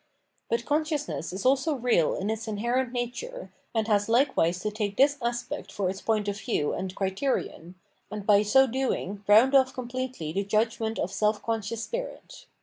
But consciousness is also real in its inherent nature, and has likewise to take this aspect for its point of view and criterion, and by so doing round off completely the judgment of self conscious spirit.